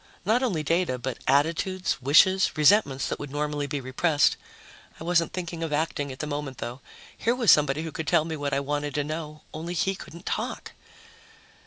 Not only data, but attitudes, wishes, resentments that would normally be repressed. I wasn't thinking of acting at the moment, though. Here was somebody who could tell me what I wanted to know ... only he couldn't talk.